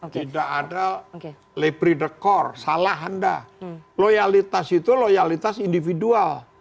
tidak ada lapride core salah anda loyalitas itu loyalitas individual